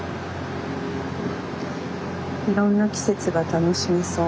いろんな季節が楽しめそう。